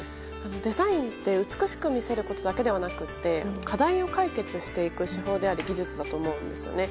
デザインって美しく見せることだけではなくて課題を解決していく手法や技術であると思うんです。